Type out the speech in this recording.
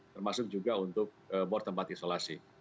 termasuk juga untuk bor tempat isolasi